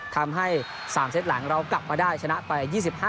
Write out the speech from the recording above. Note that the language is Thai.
ทำให้๓เซตหลังเรากลับมาได้ชนะไป๒๕